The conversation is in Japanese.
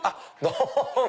どうも！